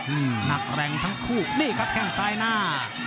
หนักแรงทั้งคู่นี่ครับแข้งซ้ายหน้า